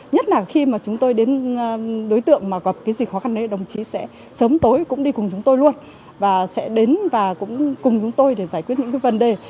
nhất là khi mà chúng tôi đến đối tượng mà gặp cái gì khó khăn đấy đồng chí sẽ sớm tối cũng đi cùng chúng tôi luôn và sẽ đến và cũng cùng chúng tôi để giải quyết những cái vấn đề